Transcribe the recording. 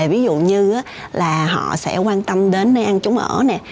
ví dụ như là họ sẽ quan tâm đến nơi ăn chống ở nè